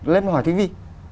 lên hỏi tivi